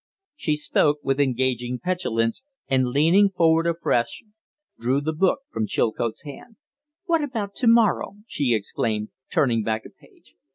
She spoke with engaging petulance, and, leaning forward afresh, drew the book from Chilcote's hand. "What about to morrow?" she exclaimed, turning back a page.